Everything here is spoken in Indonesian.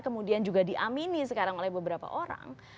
kemudian juga diamini sekarang oleh beberapa orang